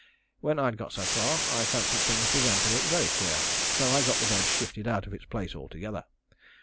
When I'd got so far, I fancied things began to look very queer, so I got the bed shifted out of its place altogether.